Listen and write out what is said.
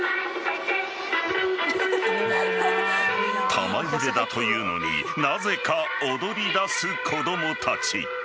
玉入れだというのになぜか踊りだす子供たち。